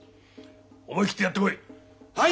思い切ってやってこい。